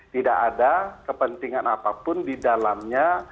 tidak ada kepentingan apapun di dalamnya